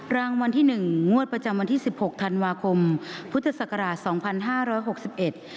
รางวัลที่หนึ่งงวดประจำวันที่สิบหกธันวาคมพุทธศักราชสองพันห้าร้อยหกสิบเอ็ด